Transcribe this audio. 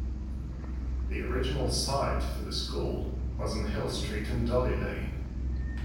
The original site for the school was on Hill Street and Dolly Lane.